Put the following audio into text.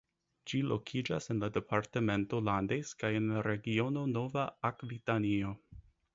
Ĝi lokiĝas en la departemento Landes kaj en la regiono Nova Akvitanio.